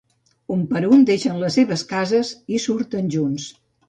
Un per un deixen les seves cases i surten junts.